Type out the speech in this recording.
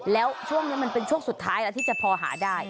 แล้วช่วงนี้มันเป็นช่วงสุดท้ายแล้วที่จะพอหาได้